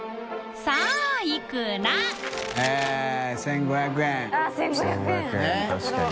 １５００円確かに。